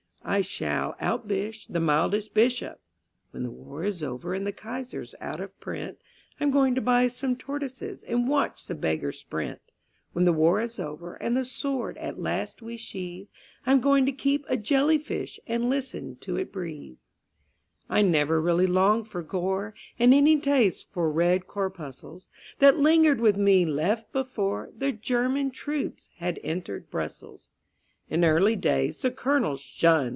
I shall out bish the mildest Bishop. _When the War is over and the Kaiser's out of print, I'm going to buy some tortoises and watch the beggars sprint; When the War is over and the sword at last we sheathe, I'm going to keep a jelly fish and listen to it breathe_. I never really longed for gore, And any taste for red corpuscles That lingered with me left before The German troops had entered Brussels. In early days the Colonel's "Shun!"